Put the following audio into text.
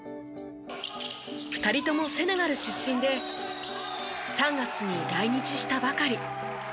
２人ともセネガル出身で３月に来日したばかり。